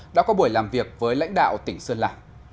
đã có buổi làm việc với lãnh đạo tỉnh sơn la